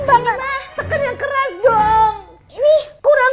teken yang keras dong